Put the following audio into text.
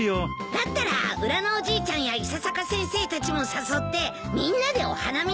だったら裏のおじいちゃんや伊佐坂先生たちも誘ってみんなでお花見に行かない？